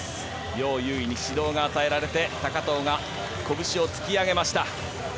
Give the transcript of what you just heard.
ヨウ・ユウイに指導が与えられて高藤が拳を突き上げました。